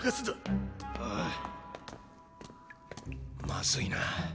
まずいな。